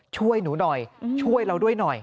ช่วยหนูหน่อยช่วยเราด้วยหน่อย